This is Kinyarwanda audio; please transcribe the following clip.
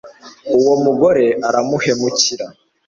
uwo mugore aramuhemukira